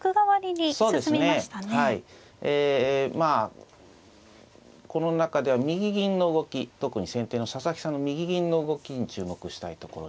えまあこの中では右銀の動き特に先手の佐々木さんの右銀の動きに注目したいところですね。